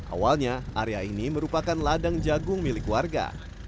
awalnya area ini merupakan ladang jagung milik warga